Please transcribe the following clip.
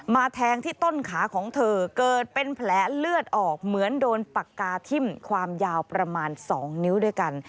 แทงที่ต้นขาของเธอเกิดเป็นแผลเลือดออกเหมือนโดนปากกาทิ้มความยาวประมาณ๒นิ้วด้วยกัน